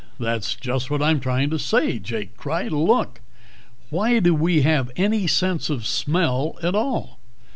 That's just what I'm trying to say," Jake cried. "Look, why do we have any sense of smell at all?